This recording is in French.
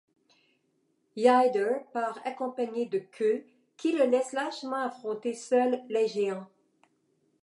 Yder part accompagné de Keu, qui le laisse lâchement affronter seul les géants.